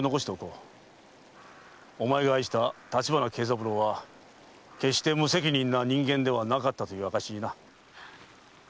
お前が愛した立花慶三郎は決して無責任な人間ではなかったという証にな。